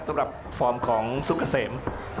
สำหรับฟอร์มของศุกขาเสม